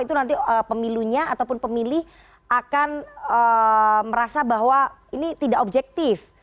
itu nanti pemilunya ataupun pemilih akan merasa bahwa ini tidak objektif